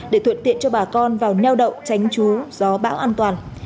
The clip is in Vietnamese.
để thuận tiện cho bà con vào neo đậu tránh trú do bão an toàn